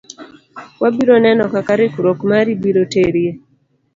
Wabiro neno kama rikruok mari biro terie.